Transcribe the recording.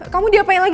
kamu diapain lagi